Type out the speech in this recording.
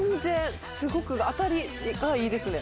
すごく当たりがいいですね